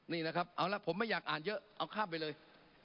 นี่นะครับเอาละผมไม่อยากอ่านเยอะเอาข้ามไปเลย